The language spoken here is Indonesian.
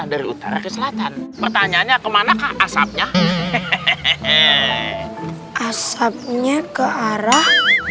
dari utara ke selatan pertanyaannya kemana asapnya hehehe asapnya ke arah